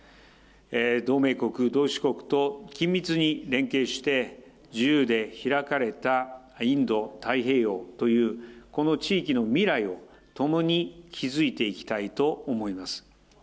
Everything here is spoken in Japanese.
同盟国、同志国と緊密に連携して自由で開かれたインド太平洋という、この地域の未来をともに築いていきたい思います。